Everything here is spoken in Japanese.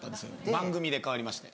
番組で変わりまして。